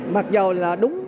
mặc dù là đúng